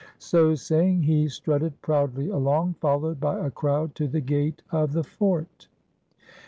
So saying he strutted proudly along, followed by a crowd to the gate of the fort.